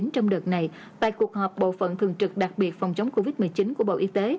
trong đợt này tại cuộc họp bộ phận thường trực đặc biệt phòng chống covid một mươi chín của bộ y tế